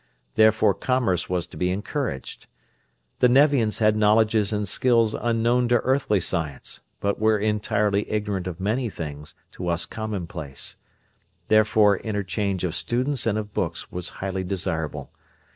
Therefore commerce was to be encouraged. The Nevians had knowledges and skills unknown to earthly science, but were entirely ignorant of many things, to us commonplace. Therefore interchange of students and of books was highly desirable.